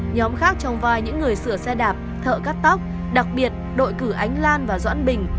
nhóm khác trong vai những người sửa xe đạp thợ cắt tóc đặc biệt đội cử ánh lan và doãn bình